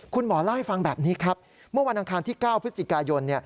คุณหมอเล่าให้ฟังแบบนี้ครับเมื่อวันอังคารที่๙พฤศจิกายน